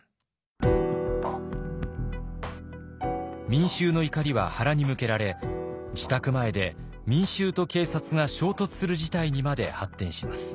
民衆の怒りは原に向けられ自宅前で民衆と警察が衝突する事態にまで発展します。